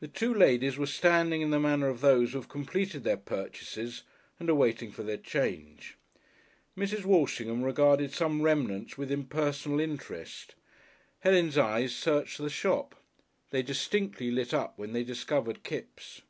The two ladies were standing in the manner of those who have completed their purchases and are waiting for their change. Mrs. Walshingham regarded some remnants with impersonal interest; Helen's eyes searched the shop. They distinctly lit up when they discovered Kipps.